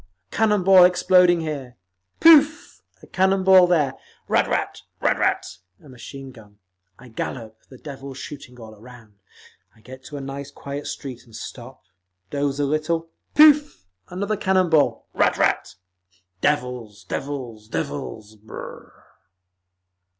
_ a cannon ball exploding here, pooff! a cannon ball there, ratt ratt! a machine gun…. I gallop, the devils shooting all around. I get to a nice quiet street and stop, doze a little, pooff! another cannon ball, ratt ratt…. Devils! Devils! Devils! Brrr!"